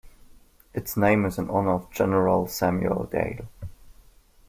Its name is in honor of General Samuel Dale.